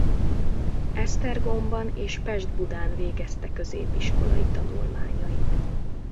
Esztergomban és Pest-Budán végezte középiskolai tanulmányait.